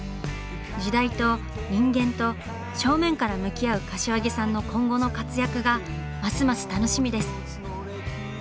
時代と人間と正面から向き合う柏木さんの今後の活躍がますます楽しみです！